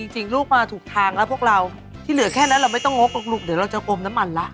จริงลูกมาถูกทางแล้วพวกเราที่เหลือแค่นั้นเราไม่ต้องงกหรอกลูกเดี๋ยวเราจะอมน้ำมันละ